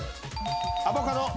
アボカド。